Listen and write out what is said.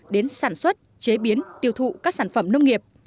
đến sản xuất chế biến tiêu thụ các sản phẩm nông nghiệp